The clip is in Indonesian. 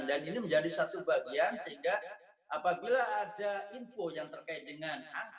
dan ini menjadi satu bagian sehingga apabila ada info yang terkait dengan